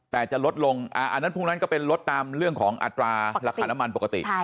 แต่จะลดลงอันนั้นพวกนั้นก็เป็นลดตามเรื่องของอัตราราคาน้ำมันปกติ